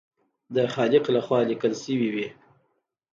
د خالق لخوا لیکل شوي وي.